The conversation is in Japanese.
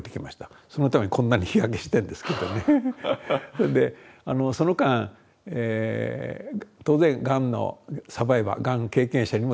それでその間当然がんのサバイバーがんの経験者にもたくさん会いましたし。